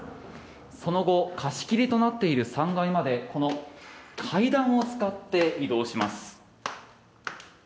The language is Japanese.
その後貸し切りとなっている３階までこの階段を使って移動します。